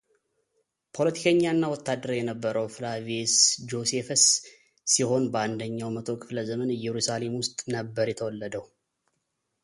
ፖለቲከኛ እና ወታደር የነበረው ፍላቪየስ ጆሴፈስ ሲሆን በአንደኛው መቶ ክፍለ ዘመን ኢየሩሳሌም ውስጥ ነበር የተወለደው።